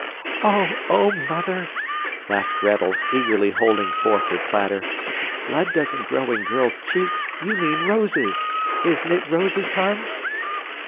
"Oh! Oh, Mother," laughed Gretel, eagerly holding forth her platter. "Blood doesn't grow in girls' cheeks you mean roses. Isn't it roses, Hans?"